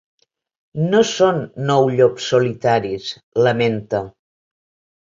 No són nou llops solitaris, lamenta.